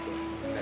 eh eh apaan sih